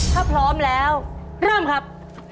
ถ้าพร้อมแล้วเริ่มครับ